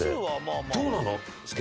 どうなの？